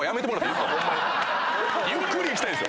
ゆっくりいきたいんすよ。